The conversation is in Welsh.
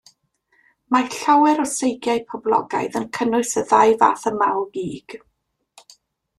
Mae llawer o seigiau poblogaidd yn cynnwys y ddau fath yma o gig.